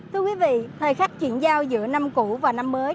thưa quý vị thời khắc chuyển giao giữa năm cũ và năm mới